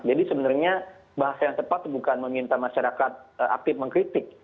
jadi sebenarnya bahasa yang tepat bukan meminta masyarakat aktif mengkritik